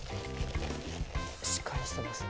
しっかりしてます。